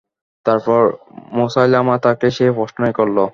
তারপর মুসায়লামা তাঁকে সেই প্রশ্নই করল।